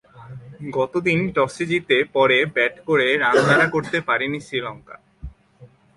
গতদিন টসে জিতে পরে ব্যাট করে রান তাড়া করতে পারেনি শ্রীলঙ্কা।